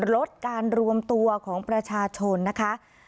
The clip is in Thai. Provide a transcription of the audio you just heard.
ลดการรวมตัวของประชาชนนะคะ